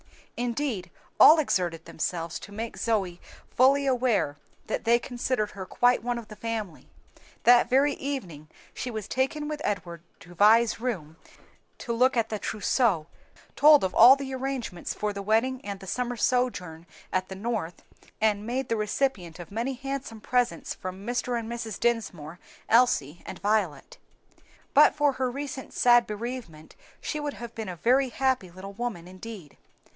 Indeed all exerted themselves to make Zoe fully aware that they considered her quite one of the family. That very evening she was taken with Edward to Vi's room to look at the trousseau, told of all the arrangements for the wedding and the summer sojourn at the North, and made the recipient of many handsome presents from Mr. and Mrs. Dinsmore, Elsie, and Violet. But for her recent sad bereavement she would have been a very happy little woman indeed.